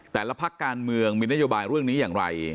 แต่ละพักการเมืองมีนโยบายเรื่องนี้อย่างไร